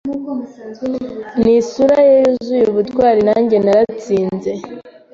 Nisura ye yuzuye ubutwari nanjye naratsinze